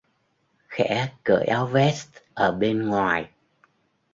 Khẽ cởi áo vest ở bên ngoài